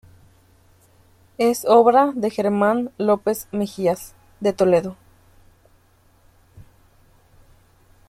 Es obra de Germán López Mejías, de Toledo.